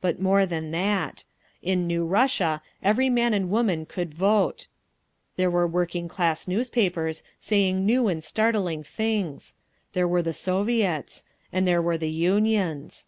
But more than that. In the new Russia every man and woman could vote; there were working class newspapers, saying new and startling things; there were the Soviets; and there were the Unions.